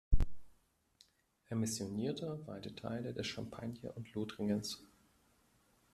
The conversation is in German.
Er missionierte weite Teile der Champagne und Lothringens.